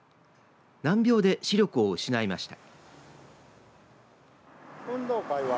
難病で視力を失いました。